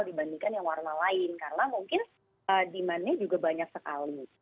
dibandingkan yang warna lain karena mungkin demandnya juga banyak sekali